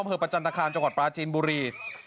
อำเภอประจันทคารจังหวัดปลาจีนบุรี